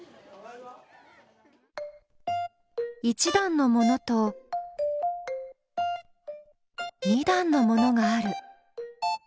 １段のものと２段のものがある。